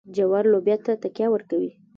جوار لوبیا ته تکیه ورکوي.